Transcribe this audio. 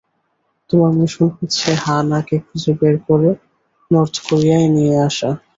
তোমার মিশন হচ্ছে হা-না কে খুঁজে বের করে নর্থ কোরিয়ায় নিয়ে আসা।